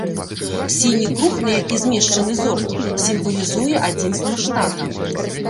Сіні круг, на які змешчаны зоркі, сімвалізуе адзінства штата.